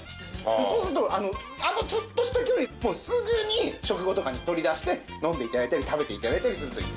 そうするとあのちょっとした距離すぐに食後とかに取り出して飲んで頂いたり食べて頂いたりするといいですね。